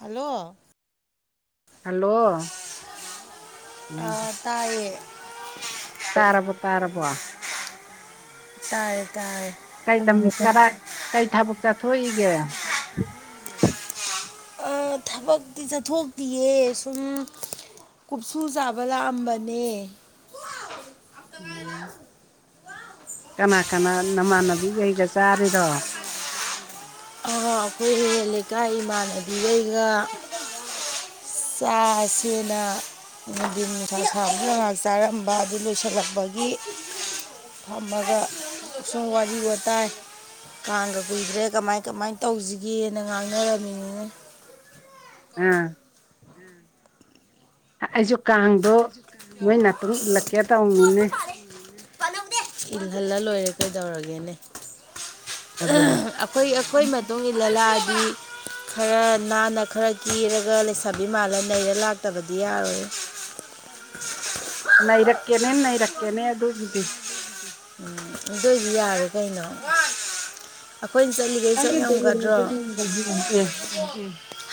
Hello hello ꯎꯝ ꯑꯥ ꯇꯥꯏꯌꯦ ꯇꯥꯔꯔꯕꯣ ꯇꯥꯔꯔꯕꯣ ꯇꯔꯦ ꯇꯥꯏꯌꯦ ꯀꯩ ꯂꯝꯃꯤ ꯈꯔ ꯀꯩ ꯊꯕꯛ ꯆꯠꯊꯣꯛꯏꯒꯦ꯫ ꯑ ꯊꯕꯛꯇꯤ ꯆꯠꯊꯣꯛꯇꯤꯌꯦ ꯁꯨꯝ ꯀꯨꯞꯁꯨ ꯆꯥꯕ ꯂꯥꯛꯑꯝꯕꯅꯦ꯫ ꯎꯝ ꯀꯅꯥ ꯀꯅꯥ ꯅꯃꯥꯟꯅꯕꯤꯒꯩꯒ ꯆꯥꯔꯤꯔꯣ ꯑꯩꯈꯣꯏꯒꯤ ꯂꯩꯀꯥꯏ ꯏꯃꯥꯟꯅꯕꯤꯗꯩꯒ ꯆꯥꯛꯁꯤꯅ ꯅꯨꯡꯊꯤꯟ ꯊꯥ ꯁꯥꯕꯅ ꯉꯥꯏꯍꯥꯛ ꯆꯥꯔꯝꯕ ꯑꯗꯨ ꯂꯣꯏꯁꯤꯜꯂꯛꯄꯒꯤ ꯐꯝꯃꯒ ꯁꯨꯝ ꯋꯥꯔꯤ ꯋꯥꯇꯥꯏ ꯀꯥꯡꯒ ꯀꯨꯏꯗ꯭ꯔꯦ ꯀꯃꯥꯏꯅ ꯀꯃꯥꯏ ꯇꯧꯁꯤꯒꯦꯅ ꯉꯥꯡꯅꯔꯝꯃꯤꯅꯤꯅꯦ꯫ ꯎꯝ ꯑꯩꯁꯨ ꯀꯥꯡꯗꯣ ꯃꯣꯏ ꯅꯥ ꯃꯇꯨꯡ ꯏꯜꯂꯛꯀꯦ ꯇꯧꯅꯤꯅꯦ꯫ ꯏꯜꯍꯜꯂ ꯂꯣꯏꯔꯦ ꯀꯩꯗꯧꯔꯒꯦꯅꯦ ꯑꯗꯨꯅꯤ ꯑꯈꯣꯏ ꯑꯈꯣꯏ ꯃꯇꯨꯡ ꯂꯂꯥꯕꯤ ꯈꯔ ꯅꯥꯟꯅ ꯈꯔ ꯀꯦꯔꯒ ꯂꯩꯁꯥꯕꯤ ꯃꯥꯜꯂ ꯅꯩꯔ ꯂꯥꯛꯇꯕꯗꯤ ꯌꯥꯔꯣꯏ꯫ ꯅꯩꯔꯛꯀꯦꯅꯦ ꯅꯩꯔꯛꯀꯦꯅꯦ ꯑꯗꯨꯒꯤꯗꯤ꯫ ꯑꯗꯨ ꯑꯣꯏꯗꯤ ꯌꯥꯔꯦ ꯀꯩꯅꯣ ꯑꯈꯣꯏꯅ ꯆꯠꯂꯤ꯫ [unintelligible]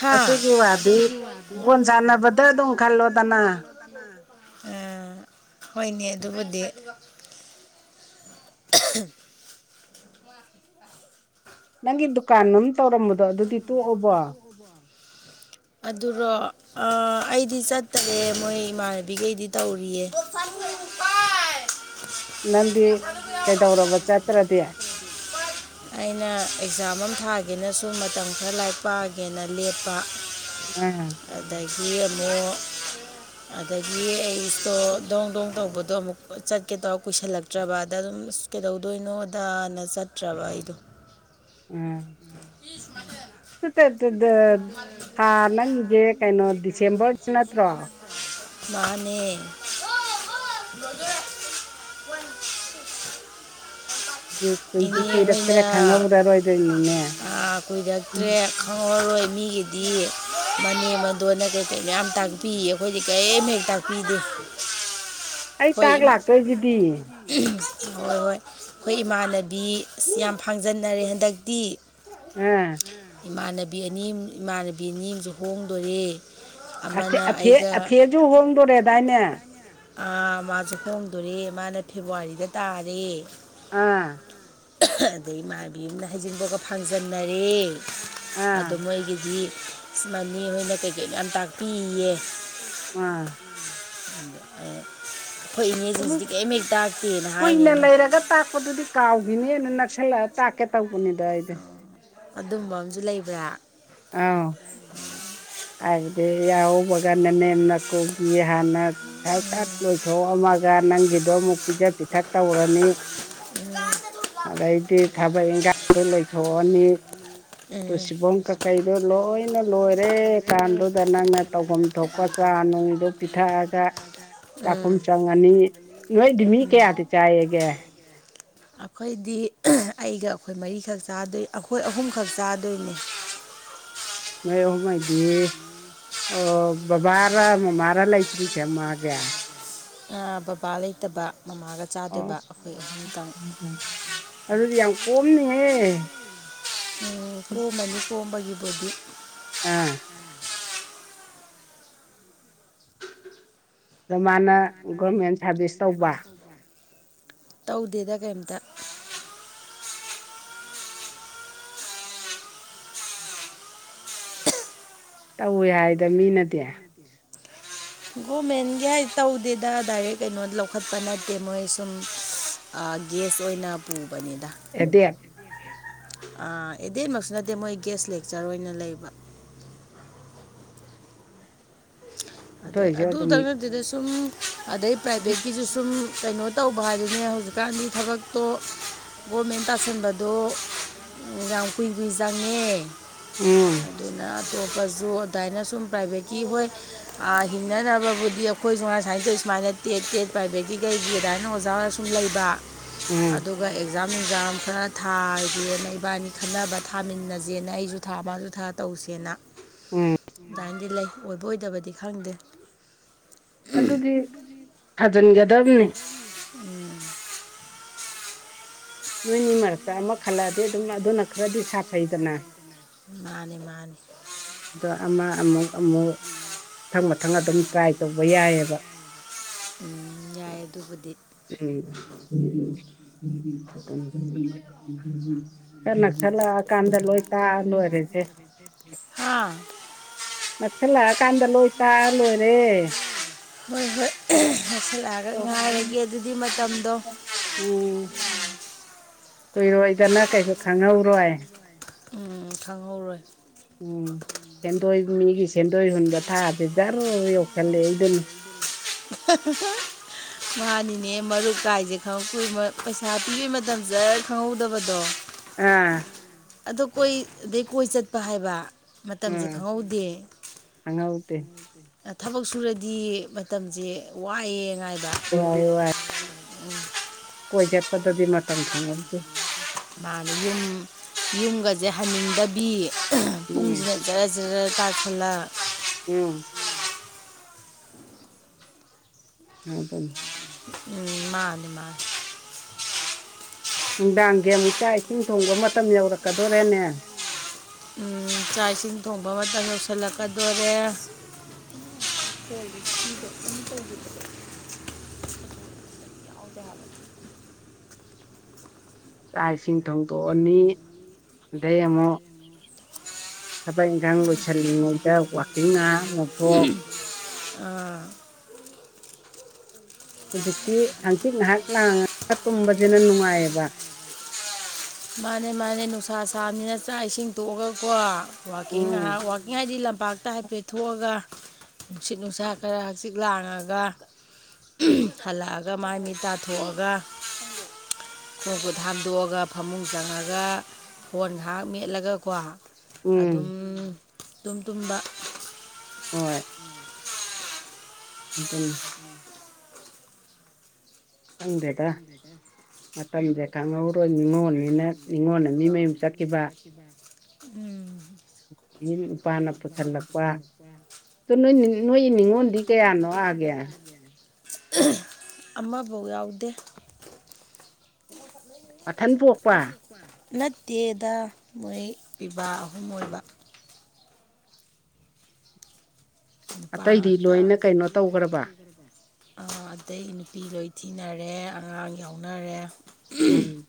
ꯍꯥ ꯑꯗꯨꯒꯤ ꯋꯥꯗꯤ ꯑꯁꯤꯒꯤ ꯋꯥꯗꯨ ꯕꯣꯟ ꯁꯥꯟꯅꯕꯗ ꯐꯣꯟ ꯑꯗꯨꯝ ꯁꯥꯟꯅꯕꯗ ꯑꯗꯨꯝ ꯈꯜꯂꯣꯗꯅ ꯈꯜꯂꯣ꯫ [unintelligible] ꯑ ꯍꯣꯏꯅꯦ ꯑꯗꯨꯕꯨꯗꯤ [unintelligible] ꯅꯪꯒꯤ ꯗꯨꯀꯥꯟ ꯑꯃꯝ ꯇꯧꯔꯝꯕꯗꯣ ꯑꯗꯨꯗꯤ ꯇꯣꯛꯑꯣꯕꯣ [inaudible] ꯑꯗꯨꯔꯣ ꯑꯩꯗꯤ ꯆꯠꯇꯔꯦ ꯃꯣꯏ ꯏꯃꯥꯟꯅꯕꯤꯈꯩꯗꯤ ꯇꯧꯔꯤꯌꯦ꯫ ꯅꯪꯗꯤ ꯀꯩꯗꯧꯔꯕ ꯆꯠꯇ꯭ꯔꯗꯤ꯫ ꯑꯩꯅ ꯑꯦꯛꯖꯥꯝ ꯑꯃ ꯊꯥꯒꯦꯅꯁꯨ ꯃꯇꯝ ꯈꯔ ꯂꯥꯏꯔꯤꯛ ꯄꯥꯒꯦꯅ ꯂꯦꯞꯄ꯫ ꯎꯝ ꯑꯗꯒꯤ ꯑꯃꯨꯛ ꯑꯗꯒꯤ ꯑꯩꯇꯣ ꯗꯣꯡ ꯗꯣꯡ ꯇꯧꯕꯗꯣ ꯑꯃꯨꯛ ꯆꯠꯀꯦ ꯇꯧ ꯀꯨꯏꯁꯜꯂꯛꯇ꯭ꯔꯕꯗ ꯑꯗꯨꯝ ꯀꯩꯗꯧꯗꯣꯏꯅꯣꯗꯅ ꯆꯠꯇ꯭ꯔꯕ ꯑꯩꯗꯣ꯫ ꯎꯝ ꯏ ꯁꯨꯃꯥꯏ [unintelligible] ꯊꯥ ꯅꯪꯉꯁꯦ ꯀꯩꯅꯣ ꯗꯤꯁꯦꯝꯕꯔ ꯅꯠꯇ꯭ꯔꯣ꯫ ꯃꯥꯅꯦ ꯀꯨꯏꯗꯤ ꯏꯅꯦ ꯀꯨꯏꯔꯛꯇ꯭ꯔꯦ ꯍꯣꯏꯅ ꯈꯪꯍꯧꯔꯔꯣꯏꯗꯣꯏꯅꯤꯅꯦ ꯀꯨꯏꯔꯛꯇ꯭ꯔꯦ꯫ ꯈꯪꯉꯔꯣꯏ ꯃꯤꯒꯤꯗꯤ ꯃꯅꯦꯝ ꯃꯗꯣꯟꯅ ꯀꯩꯀꯩ ꯃꯌꯥꯝ ꯇꯥꯛꯄꯤ ꯑꯩꯈꯣꯏꯗꯤ ꯀꯔꯤꯝ ꯍꯦꯛ ꯇꯥꯛꯄꯤ [unintelligible] [inaudible] ꯍꯣꯏ ꯏꯃꯥ ꯂꯥꯛꯇꯣꯏꯁꯤꯗꯤ ꯍꯣꯏ ꯍꯣꯏ ꯑꯩꯈꯣꯏ ꯏꯃꯥꯟꯅꯗꯤ ꯕꯤ ꯑꯁ ꯌꯥꯝ ꯐꯥꯡꯖꯟꯅꯔꯦ ꯍꯟꯗꯛꯇꯤ꯫ ꯎꯝ ꯏꯃꯥꯟꯅꯕꯤ ꯑꯅꯤ ꯏꯃꯥꯟꯅꯕꯤ ꯑꯅꯤ ꯑꯃꯁꯨ ꯍꯣꯡꯗꯣꯔꯦ꯫ ꯑꯊ ꯑꯃꯅ ꯑꯩꯒ ꯑꯊꯦꯁꯨ ꯍꯣꯡꯗꯣꯔꯦꯗꯥꯏꯅꯦ꯫ ꯥ ꯃꯥꯁꯦ ꯍꯣꯡꯗꯣꯣꯔꯦ ꯃꯥꯅ ꯐꯦꯕꯋꯥꯔꯤꯗ ꯇꯥꯔꯦ꯫ ꯑꯥ ꯑꯗꯩ ꯏꯃꯥꯟꯕꯤ ꯑꯃꯅ ꯍꯩꯖꯤꯟꯕꯒ ꯐꯥꯡꯖꯟꯅꯔꯦ ꯑꯥ ꯑꯣ ꯃꯣꯏꯒꯤꯗꯤ ꯁꯃꯅꯤ ꯍꯣꯏꯅ ꯀꯩꯀꯩ ꯌꯥꯝ ꯇꯥꯛꯄꯤꯌꯦ꯫ ꯑꯥ ꯊꯣꯛꯣꯏꯏꯅꯦ ꯁꯨꯝ ꯑꯗꯨꯁꯤꯗꯤ ꯀꯔꯤ ꯍꯦꯛ ꯇꯥꯛꯇꯦꯅ ꯍꯥꯏꯅꯤ ꯑꯩꯅ꯫ ꯑꯄꯗꯨꯗꯤ ꯀꯥꯎꯈꯤꯅꯦꯅ ꯅꯛꯁꯜꯂꯛꯑ ꯇꯥꯛꯀꯦ ꯇꯧꯕꯅꯤꯗꯣ ꯑꯩꯗꯤ ꯑꯗꯨꯝ ꯕꯝꯁꯨ ꯂꯩꯕ꯭ꯔꯥ ꯑꯥꯎ ꯍꯥꯏꯦ ꯌꯥꯕꯒ ꯅꯦꯅꯦꯅ ꯀꯣ ꯍꯅ ꯁꯥꯛ ꯆꯥꯛ ꯂꯣꯏꯊꯣꯛꯑꯝꯃꯒ ꯅꯪꯒꯤꯗꯣ ꯑꯃꯨꯛ ꯄꯤꯖ ꯄꯤꯊꯛ ꯇꯧꯔꯅꯤ ꯑꯗꯩꯗꯤ ꯊꯕꯛ ꯏꯟꯈꯥꯡꯗꯣ ꯂꯣꯏꯊꯣꯛꯑꯅꯤ ꯇꯨ ꯎꯝ ꯁꯤꯕꯣꯡ ꯀꯀꯩꯗꯣ ꯂꯣꯏꯅ ꯂꯣꯏꯔꯦ ꯀꯥꯟꯗꯨꯗ ꯅꯪꯅ ꯇꯧꯕꯝ ꯊꯣꯛꯄ ꯆꯥ ꯅꯨꯡꯗꯨꯣ ꯄꯤꯊꯛꯑꯒ ꯎꯝ ꯎꯝ ꯆꯥꯛꯈꯨꯝ ꯆꯪꯉꯅꯤ ꯅꯣꯏꯗꯤ ꯃꯤ ꯀꯌꯥꯗꯤ ꯆꯥꯏꯑꯒꯦ ꯑꯩꯈꯣꯏꯗꯤ ꯑꯩꯒ ꯑꯩꯈꯣꯏ ꯃꯔꯤꯈꯛ ꯆꯥꯗꯣꯏ ꯑꯩꯈꯣꯏ ꯑꯍꯨꯝꯈꯛ ꯆꯥꯗꯣꯏꯅꯤ ꯅ ꯑꯣ ꯃꯥꯥꯏꯇ ꯑꯣ ꯕꯕꯥꯔ ꯃꯃꯥꯔ ꯂꯩꯇ꯭ꯔꯤꯁꯦ ꯃꯥꯒꯦ ꯕꯕꯥ ꯂꯩꯇꯕ ꯃꯃꯥꯒ ꯆꯥꯗꯣꯏꯕ ꯑꯩꯈꯣꯏ ꯑꯍꯨꯝꯇꯪ ꯎꯝ ꯑꯗꯨꯗꯤ ꯌꯥꯝ ꯀꯣꯝꯅꯤꯍꯦ ꯀꯣꯝꯃꯅꯤ ꯀꯣꯝꯕꯒꯤꯕꯨꯗꯤ ꯎꯝ ꯑꯗꯨ ꯃꯥꯅ ꯒꯣꯔꯃꯦꯟ ꯁꯥꯔꯚꯤꯁ ꯇꯧꯕ ꯇꯧꯗꯦꯗ ꯀꯩꯝꯇ ꯇꯧꯋꯦ ꯍꯥꯏꯗ ꯃꯤꯅꯗꯤꯦ ꯒꯣꯔꯃꯦꯟꯒꯤ ꯍꯥꯏ ꯇꯧꯗꯦꯗ ꯗꯥꯏꯔꯦꯛ ꯀꯩꯅꯣ ꯂꯧꯈꯠꯄ ꯅꯠꯇꯦ ꯃꯣꯏ ꯁꯨꯝ ꯑ ꯒꯦꯁ ꯑꯣꯏꯅ ꯄꯨꯕꯅꯤꯗ ꯑꯦꯗꯤ ꯑꯦꯗꯦꯟꯃꯛꯁꯨ ꯅꯠꯇꯦ ꯃꯣꯏ ꯒꯦꯁ ꯂꯦꯛꯆꯔ ꯑꯣꯏꯅ ꯂꯩꯕ ꯑꯗꯨ ꯑꯗꯩ ꯑꯣꯏꯁꯨ ꯑꯗꯨꯝ ꯑꯗꯨꯗꯪ ꯅꯠꯇꯗ ꯁꯨꯝ ꯑꯗꯩ ꯄ꯭ꯔꯥꯏꯚꯦꯠꯀꯤꯁꯨ ꯁꯨꯝ ꯀꯩꯅꯣ ꯇꯧꯕ ꯍꯥꯏꯗꯨꯅꯦ ꯍꯧꯖꯤꯛꯀꯥꯟꯗꯤ ꯊꯕꯛꯇꯣ ꯒꯣꯔꯃꯦꯟ ꯇꯁꯤꯟꯕꯗꯣ ꯅꯨꯡꯗꯥꯡ ꯀꯨꯏ ꯀꯨꯏ ꯆꯪꯉꯦ ꯎꯝ ꯑꯗꯨꯅ ꯑꯇꯣꯞꯄꯁꯨ ꯑꯗꯨꯃꯥꯏꯅ ꯁꯨꯝ ꯄ꯭ꯔꯥꯏꯚꯦꯠꯀꯤ ꯍꯣꯏ ꯍꯤꯡꯅꯅꯕꯕꯨꯗꯤ ꯑꯩꯈꯣꯏꯁꯨꯃꯥꯏ ꯁꯃꯥꯏꯅ ꯇꯧꯋ ꯁꯨꯃꯥꯏꯅ ꯇꯦꯠ ꯇꯦꯠ ꯄ꯭ꯔꯥꯏꯚꯦꯠꯀꯤ ꯀꯩꯒꯤ ꯑꯗꯨꯃꯥꯏꯅ ꯑꯣꯖꯥ ꯁꯨꯝ ꯂꯩꯕ ꯑꯗꯨꯗ ꯎꯝ ꯑꯗꯨꯒ ꯑꯦꯛꯖꯥꯝ ꯅꯨꯡꯖꯥꯝ ꯈꯔ ꯊꯥꯏꯒꯦꯅ ꯏꯕꯥꯅꯤ ꯈꯟꯅꯕ ꯊꯥꯃꯤꯟꯅꯁꯦꯅ ꯑꯩꯁꯨ ꯊꯥ ꯃꯥꯁꯨ ꯊꯥ ꯇꯧꯁꯦꯅ ꯎꯝ ꯗꯥꯏꯅꯗꯤ ꯂꯩ ꯑꯣꯏꯕ ꯑꯣꯏꯗꯕꯗꯤ ꯈꯪꯗꯦ ꯑꯗꯨꯗꯤ ꯊꯥꯖꯤꯟꯒꯗꯕꯅꯤ ꯅꯣꯏꯅꯤ ꯃꯔꯛꯇ ꯑꯃꯛ ꯈꯜꯂꯛꯑꯗꯤ ꯑꯗꯨꯝ ꯑꯗꯨꯅ ꯈꯔꯗꯤ ꯁꯥꯐꯩꯗꯅ ꯃꯥꯅꯤ ꯃꯥꯅꯤ ꯑꯗꯣ ꯑꯃ ꯑꯃꯨꯛ ꯑꯃꯨꯛ ꯃꯊꯪ ꯃꯊꯪ ꯑꯗꯨꯝ ꯇ꯭ꯔꯥꯏ ꯇꯧꯕ ꯌꯥꯏꯌꯦꯕ ꯎꯝ ꯌꯥꯏ ꯑꯗꯨꯕꯨꯗꯤ ꯎ ꯀꯟꯅ ꯊꯠꯂꯛꯑꯀꯥꯟꯗ ꯂꯣꯏ ꯇꯥꯛꯑ ꯂꯣꯏꯔꯁꯦ ꯍꯥꯥ ꯅꯛꯁꯜꯂꯛꯑꯀꯥꯟꯗ ꯂꯣꯏ ꯇꯥꯛꯑ ꯂꯣꯏꯔꯦ ꯃꯣꯏ ꯍꯣꯏ ꯍꯥꯁꯤꯜꯂꯛꯑꯒ ꯉꯥꯏꯔꯒ ꯑꯗꯨꯒꯤ ꯃꯇꯝꯗꯣ ꯎꯝ ꯀꯨꯏꯔꯣꯏꯗꯅ ꯀꯩꯁꯨ ꯈꯪꯍꯧꯔꯣꯏ ꯎ ꯈꯪꯍꯧꯔꯣꯏ ꯎꯝ ꯁꯦꯟꯗꯣꯏ ꯃꯤꯒꯤ ꯁꯦꯟꯗꯣꯏ ꯍꯨꯟꯕ ꯊꯥꯗꯤ ꯖꯔꯣꯏ ꯌꯧꯁꯜꯂ ꯑꯩꯗꯨꯅꯤ [inaudible] ꯅꯥꯅꯤꯅꯦ ꯃꯔꯨꯞ ꯀꯥꯏꯁꯦꯉ ꯄꯩꯁꯥ ꯄꯤꯕꯩ ꯃꯇꯝꯗ ꯈꯪꯍꯧꯗꯕꯗꯣ ꯑꯥ ꯑꯗꯣ ꯀꯣꯏ ꯑꯗꯩ ꯀꯣꯏ ꯆꯠꯄ ꯍꯥꯏꯕ ꯃꯇꯝꯁꯦ ꯎꯝ ꯈꯪꯍꯧꯗꯦ ꯈꯪꯍꯧꯗꯦ ꯊꯕꯛ ꯁꯨꯔꯗꯤ ꯃꯇꯝꯁꯦ ꯋꯥꯏꯑꯉꯥꯏꯗ ꯏ ꯋꯥꯏ ꯀꯣꯏ ꯆꯠꯄꯗꯗꯤ ꯃꯇꯝ ꯈꯪꯍꯟꯗꯦ ꯃꯥꯅ ꯌꯨꯝ ꯌꯨꯝꯒꯁꯦ ꯍꯟꯅꯤꯡꯗꯕꯤ ꯎꯝ ꯄꯨꯡꯁꯤꯟꯅꯖꯔ ꯖꯔ ꯇꯥ ꯊꯂꯥ ꯎꯝ ꯍ ꯇ ꯎꯝ ꯃꯥꯅꯤ ꯃꯥ ꯅꯨꯡꯗꯥꯡꯒꯤ ꯑꯃꯨꯛ ꯆꯥꯛ ꯏꯁꯤꯡ ꯊꯣꯡꯕ ꯃꯇꯝ ꯌꯧꯔꯛꯀꯗꯣꯔꯦꯅꯦ ꯆꯥꯛ ꯏꯁꯤꯡ ꯊꯣꯡꯕ ꯑꯃꯇ ꯌꯧꯁꯤꯜꯂꯛꯀꯗꯣꯔꯦ ꯎꯦ ꯍꯦ ꯑꯗ ꯍꯥꯏ ꯆꯥꯛ ꯏꯁꯤꯡ ꯊꯣꯡꯗꯣꯛꯑꯅꯤ ꯑꯗꯩ ꯑꯃꯨꯛ ꯊꯕꯛ ꯏꯪꯈꯥꯡ ꯂꯣꯏꯁꯜꯜꯂꯤꯉꯩꯗ ꯋꯥꯈꯦꯡ ꯉꯍ ꯑꯥ ꯍꯧꯖꯤꯛꯇꯤ ꯍꯪꯆꯤꯠ ꯉꯥꯏꯍꯥꯛ ꯂꯥꯡꯉꯒ ꯇꯨꯝꯕꯁꯤꯅ ꯅꯨꯡꯉꯥꯏꯌꯦꯕ ꯃꯥꯅꯦ ꯃꯥꯅꯦ ꯅꯨꯡꯁꯥ ꯁꯥꯕꯅꯤꯅ ꯆꯥꯛ ꯏꯁꯤꯡ ꯇꯣꯛꯑꯒꯀꯣ ꯋꯥꯀꯤꯡ ꯎꯝ ꯋꯥꯀꯤꯡ ꯍꯥꯏꯗꯤ ꯂꯝꯄꯥꯛꯥꯛꯇ ꯍꯥꯏ ꯄꯦ ꯊꯣꯛꯣꯛꯑꯒ ꯅꯨꯡꯁꯤꯠ ꯅꯨꯡꯁꯥ ꯈꯔ ꯍꯆꯤꯛ ꯂꯥꯡꯉꯒ ꯍꯜꯂꯛꯑꯒ ꯃꯥ ꯃꯤ ꯇꯥꯊꯣꯛꯑꯒ ꯀꯕꯨ ꯙꯥꯟꯗꯑꯒ ꯐꯃꯨꯡ ꯆꯪꯉꯒ ꯐꯣꯟ ꯉꯥꯏꯍꯥꯛ ꯃꯦꯠꯂꯒꯀꯣ ꯑꯗꯨꯝ ꯎꯝ ꯇꯨꯝ ꯇꯨꯝꯕ ꯍꯣꯏ ꯑꯇꯪ ꯀꯪꯗꯦꯇ ꯃꯇꯝꯁꯦ ꯈꯪꯍꯧꯔꯣꯏ ꯅꯤꯡꯅꯤꯉꯣꯜꯅꯤꯅ ꯅꯤꯡꯅꯤꯉꯣꯟꯜꯅ ꯃꯤ ꯃꯌꯨꯝ ꯆꯠꯈꯤꯕ ꯀꯈꯤꯕ ꯎꯝ ꯅꯨꯄꯥꯅ ꯄꯨꯁꯤꯜꯂꯛꯄ ꯅꯣꯏ ꯅꯣꯏ ꯅꯤꯡꯅꯤꯉꯣꯟꯗꯤ ꯀꯌꯥꯅꯣ ꯑꯒꯦ ꯑꯃꯐꯧ ꯌꯥꯎꯗꯦ ꯃꯊꯟ ꯄꯣꯛꯄ ꯅꯠꯇꯦꯗ ꯃꯣꯏ ꯄꯤꯕꯥ ꯑꯍꯨꯝ ꯑꯣꯏꯕ ꯅꯨ ꯑꯇꯩꯗꯤ ꯅꯨꯄꯥꯥꯡꯇ ꯂꯣꯏꯅ ꯀꯩꯅꯣ ꯇꯧꯈ꯭ꯔꯕ ꯑꯇꯩ ꯅꯨꯄꯤ ꯂꯣꯏ ꯊꯤꯅꯔꯦ ꯑꯉꯥꯡ ꯌꯥꯎꯅꯔꯦ ꯎꯝ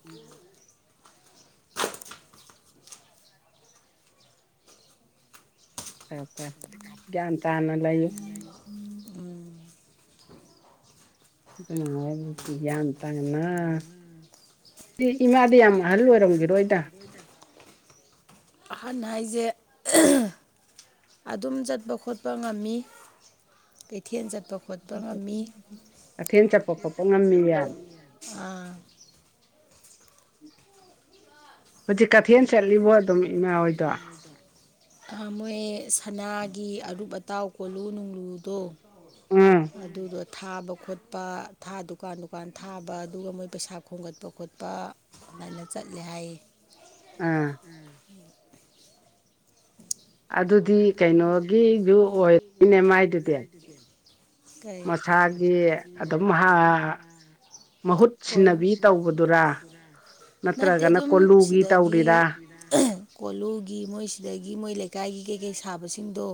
ꯑ ꯭ꯌꯥꯟ ꯇꯥꯅ ꯂꯩꯨ ꯌꯥꯟꯇꯉꯅ ꯁꯤ ꯏꯃꯥꯗꯤ ꯌꯥꯝ ꯑꯍꯜ ꯑꯣꯏꯔꯝꯒꯔꯣꯏ ꯏꯗ ꯑꯍꯟ ꯍꯥꯏꯁꯦ ꯑꯗꯨꯝ ꯆꯠꯄ ꯈꯣꯠꯄ ꯉꯝꯃꯤ ꯀꯩꯊꯦꯜ ꯆꯠꯄ ꯈꯣꯠꯄ ꯉꯝꯃꯤ ꯀꯩꯊꯦꯜ ꯆꯠꯄ ꯈꯣꯠꯄ ꯉꯝꯃꯤ ꯌꯥ ꯑꯥ ꯍꯧꯖꯤꯛ ꯀꯩꯊꯦꯜ ꯆꯠꯂꯤꯕꯣ ꯑꯗꯨꯝ ꯏꯃꯥ ꯍꯣꯏꯗꯣ ꯃꯣꯏꯦ ꯁꯅꯥꯒꯤ ꯑꯔꯨꯞ ꯑꯇꯥꯎ ꯀꯣꯜꯂꯨ ꯅꯨꯡꯂꯨꯗꯣ ꯎꯝ ꯑꯗꯨꯒ ꯊꯥꯕ ꯈꯣꯠꯄ ꯊꯥ ꯗꯨꯀꯥꯟ ꯗꯨꯀꯥꯟ ꯊꯥꯕ ꯑꯗꯨꯒ ꯃꯣꯏ ꯄꯩꯁꯥ ꯈꯣꯝꯒꯠꯄ ꯈꯣꯠꯄ ꯉꯥꯟꯅ ꯆꯠꯂꯦ ꯍꯥꯏꯌꯦ ꯑꯥ ꯎꯝ ꯑꯗꯨꯗꯤ ꯀꯩꯅꯣꯒꯤꯁꯨ ꯑꯣꯏꯔꯏꯅꯦ ꯃꯥꯏꯗꯨꯗꯤ ꯀꯩ ꯃꯁꯥꯒꯤ ꯑꯗꯨꯝ ꯍꯥ ꯃꯍꯨꯠ ꯍꯣꯏ ꯁꯤꯟꯅꯕꯤ ꯇꯧꯕꯗꯨꯔ ꯅꯠꯇ꯭ꯔꯒꯅ ꯀꯣꯂꯨꯒꯤ ꯇꯧꯔꯤꯔꯥ ꯀꯣꯂꯨꯒꯤ ꯃꯣꯏꯁꯤꯗꯒꯤ ꯃꯣꯏ ꯂꯩꯀꯥꯏꯒꯤ ꯀꯩꯀꯩ ꯁꯥꯕꯁꯤꯡꯗꯣ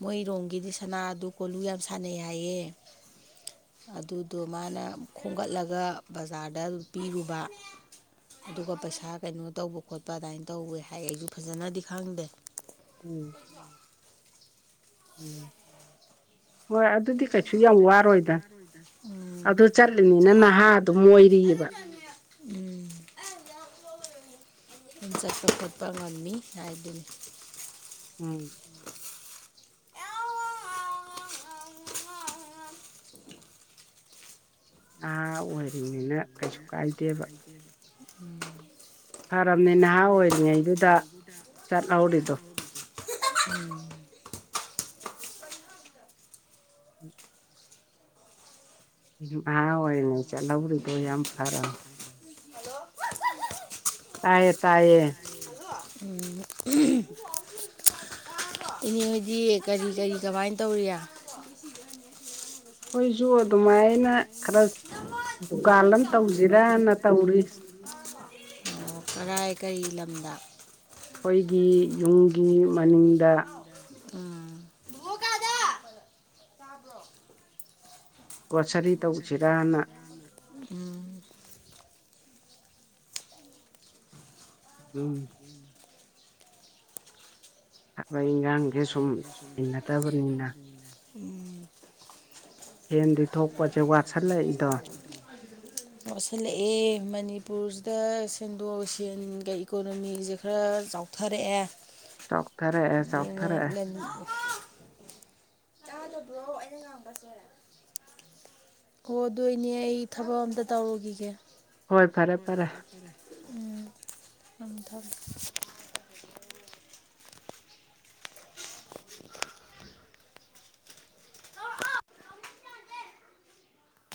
ꯃꯣꯏꯔꯣꯝꯒꯤꯗꯤ ꯁꯅꯥ ꯑꯗꯨ ꯀꯣꯜꯂꯨ ꯌꯥꯝ ꯁꯥꯟꯅꯩ ꯍꯥꯏꯌꯦꯦ ꯑꯗꯨꯗꯣ ꯃꯥꯅ ꯈꯣꯝꯒꯠꯂꯒ ꯕꯖꯥꯔꯗ ꯑꯗꯨꯝ ꯄꯤꯔꯨꯕ ꯑꯗꯨꯒ ꯄꯩꯁꯥ ꯀꯩꯅꯣ ꯇꯧꯕ ꯈꯣꯠꯄ ꯑꯗꯨꯃꯥꯏꯅ ꯇꯧꯋꯦ ꯍꯥꯏ ꯑꯩꯁꯨ ꯐꯖꯅꯗꯤ ꯈꯪꯗꯦ ꯎꯝ ꯎꯝ ꯍꯣꯏ ꯑꯗꯨꯗꯤ ꯀꯩꯁꯨ ꯌꯥꯝ ꯋꯥꯔꯣꯏꯗ ꯎꯝ ꯑꯗꯨ ꯆꯠꯂꯤꯅꯤꯅ ꯅꯍꯥꯗ ꯑꯗꯨ ꯑꫭꯏꯔꯤꯕ [inaudible] ꯎꯝ ꯆꯥꯠꯄꯥ ꯈꯦꯠꯄ ꯉꯃꯤ ꯍꯥꯏꯗꯨꯅꯤ ꯎꯝ ꯍꯜꯂꯣ ꯅꯍꯥ ꯑꯣꯏꯔꯤꯅꯤꯅ ꯀꯩꯁꯨ ꯀꯥꯏꯗꯦꯕ ꯎꯝ ꯐꯔꯝꯅꯦ ꯅꯍꯥ ꯑꯣꯏꯔꯤꯉꯩꯗꯨꯗ ꯆꯠꯍꯧꯔꯤꯗꯣ [unintelligible] ꯎꯝ [unintelligible] ꯅꯍꯥ ꯑꯣꯏꯔꯤꯉꯥꯏꯗꯥ ꯆꯠꯍꯧꯔꯤꯗꯣ ꯌꯥꯝ ꯐꯔꯃꯦ ꯍꯜꯂꯣ [unintelligible] ꯇꯥꯏꯌꯦ ꯇꯥꯏꯌꯦ [unintelligible] ꯍꯜꯂꫭ [unintelligible] ꯎꯝ [unintelligible] ꯏꯅꯦ ꯍꯣꯏꯗꯤ ꯀꯔꯤ ꯀꯔꯤ ꯀꯃꯥꯏꯅ ꯇꯧꯔꯤ [unintelligible] ꯑꯩꯈꫭꯏꯁꯨ ꯑꯗꯨꯃꯥꯏꯅ ꯈꯔ ꯗꯨꯀꯥꯟ ꯑꯃ ꯇꯧꯁꯤꯔꯅꯥ ꯇꯧꯔꯤ ꯇꯥꯔ꯭ꯕꫭ [unintelligible] ꯑꯣ [unintelligible] ꯀꯔꯥꯏ ꯀꯔꯤ ꯂꯝꯗ ꯑꯩꯈꯣꯏꯒꯤ ꯌꯨꯝꯒꯤ [unintelligible] ꯃꯅꯤꯡꯗ ꯎꯝ ꯒ꯭ꯔꯣꯁꯔꯤ ꯇꯧꯁꯤꯔꯅ ꯎꯝ ꯎꯝ ꯊꯕꯛ ꯏꯟꯈꯥꯡꯁꯦ ꯁꯨꯝ ꯏꯟꯅꯗꯕꯅꯤꯅ ꯍꯦꯟꯗꯤ ꯊꯣꯛꯄꯁꯦ ꯋꯥꯠꯁꯤꯜꯂꯛꯏꯗꯣ ꯃꯣꯠꯁꯤꯜꯂꯛꯑꯦ ꯃꯅꯤꯄꯨꯔꯁꯤꯗ ꯁꯦꯟꯗꯣꯛ ꯁꯦꯟꯒ ꯏꯀꯣꯅꯣꯃꯤꯁꯦ ꯈꯔ ꯆꯥꯎꯊꯠ ꯊꯔꯛꯑꯦ ꯆꯥꯎꯊꯔꯥꯛꯑꯦ ꯆꯥꯎ [unintelligible] ꯂꯦꯟ [unintelligible] ꯇꯥꯗꯕ꯭ꯔꯣ ꯑꯩꯅ ꯉꯥꯡꯕꯁꯦ ꯑꯣ ꯑꯗꫭ ꯏꯅꯦ ꯑꯩ ꯊꯕꯛ ꯑꯝꯇ ꯇꯧꯔꯨꯈꯤꯒꯦ ꯍꯣꯏ ꯐꯔꯦ ꯐꯔꯦ ꯎꯝ ꯊꯝꯃꯦ ꯊꯝꯃꯦ